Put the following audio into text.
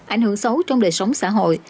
ảnh hưởng xấu trong đời sống xã hội